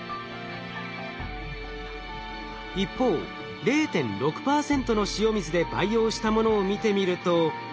一方０．６％の塩水で培養したものを見てみると。